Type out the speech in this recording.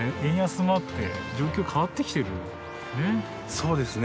そうですね。